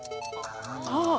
ああ。